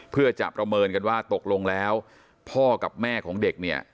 เพื่อจะประเมินกันว่าตกลงแล้วพ่อกับแม่ของเด็กเนี่ย